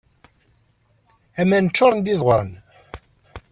Aman-a ččuren d ideɣren.